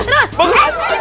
tunggu tunggu tunggu